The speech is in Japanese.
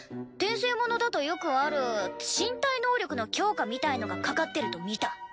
転生ものだとよくある身体能力の強化みたいのがかかってるとみた。